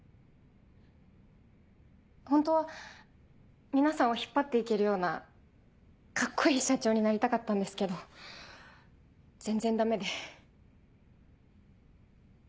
ホントは皆さんを引っ張って行けるようなカッコいい社長になりたかったんですけど全然ダメで。